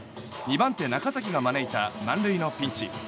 ２番手、中崎が招いた満塁のピンチ。